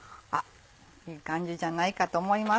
いい感じじゃないかと思います。